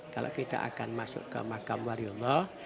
kalau kita akan masuk ke makam waliullah